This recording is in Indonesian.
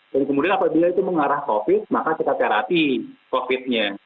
dan kemudian apabila itu mengarah covid maka kita terapi covid nya